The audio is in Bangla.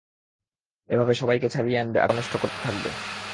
এভাবে সবাইকে ছাড়িয়ে আনবে আর টাকা নষ্ট করতে থাকবে।